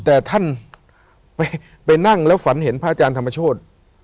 แต่ท่านไปนั่งแล้วฝันเห็นพระอาจารย์ธรรมโชธ